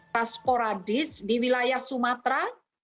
rasporadis di wilayah sumatera